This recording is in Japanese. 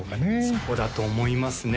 そうだと思いますね